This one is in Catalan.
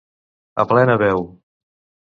A plena veu.